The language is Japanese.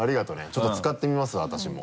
ちょっと使ってみます私も。